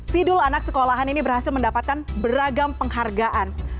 sidul anak sekolahan ini berhasil mendapatkan beragam penghargaan